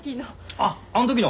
あっあの時の！